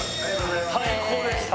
最高でした。